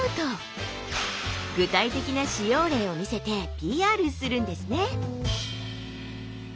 具体的な使用例を見せてＰＲするんですね。